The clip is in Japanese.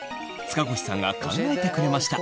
塚越さんが考えてくれました。